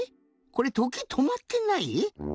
これとけいとまってない？